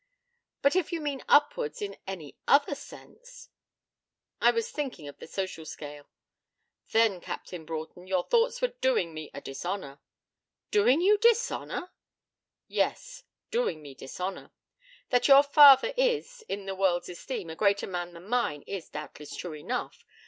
But if you mean upwards in any other sense ' 'I was thinking of the social scale.' 'Then, Captain Broughton, your thoughts were doing me dishonour.' 'Doing you dishonour!' 'Yes, doing me dishonour. That your father is, in the world's esteem, a greater man than mine is doubtless true enough.